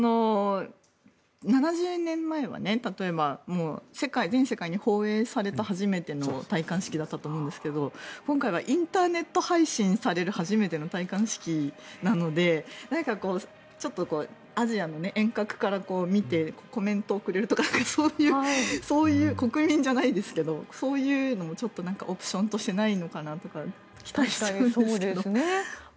７０年前は例えば、全世界に放映された初めての戴冠式だったと思うんですけど今回はインターネット配信される初めての戴冠式なのでちょっとアジアの遠隔から見てコメントを送れるとか国民じゃないでけどそういうのをちょっとオプションとしてないのかなと期待しちゃうんですけど。